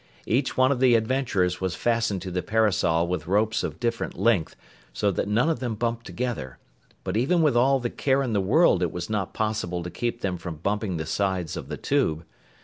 Each one of the adventurers was fastened to the parasol with ropes of different length so that none of them bumped together, but even with all the care in the world it was not possible to keep them from bumping the sides of the tube.